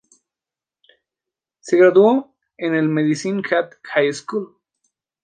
Se graduó en el Medicine Hat High School.